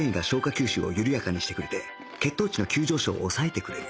吸収を緩やかにしてくれて血糖値の急上昇を抑えてくれる